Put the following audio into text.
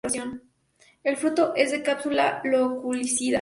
El fruto es una cápsula loculicida.